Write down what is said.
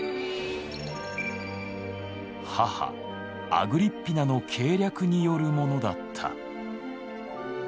母アグリッピナの計略によるものだった。